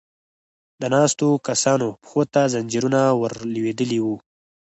د ناستو کسانو پښو ته ځنځيرونه ور لوېدلې و.